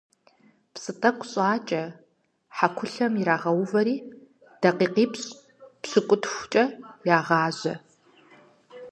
Псы тӀэкӀу щӀакӀэ, хьэкулъэм ирагъэувэри, дакъикъипщӏ-пщыкӏутхукӀэ ягъажьэ.